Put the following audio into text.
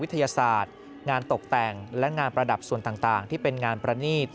ศาสตร์งานตกแต่งและงานประดับส่วนต่างที่เป็นงานประนีต